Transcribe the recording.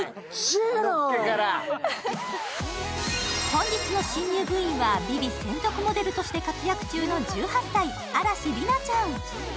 本日の新入部員は「ＶｉＶｉ」専属モデルとして活躍中の１８歳、嵐莉菜ちゃん。